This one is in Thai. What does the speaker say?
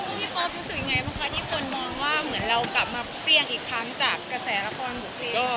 พี่โป๊ปรู้สึกยังไงบ้างคะที่คนมองว่าเหมือนเรากลับมาเปรี้ยงอีกครั้งจากกระแสละครบุฟเฟย์